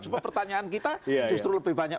cuma pertanyaan kita justru lebih banyak